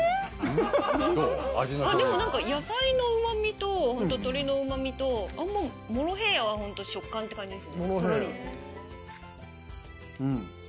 でも野菜のうまみと、鶏のうまみとモロヘイヤは本当、食感って感じです。